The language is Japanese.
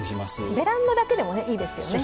ベランダだけでもいいですよね。